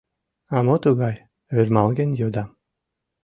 — А мо тугай? — ӧрмалген йодам.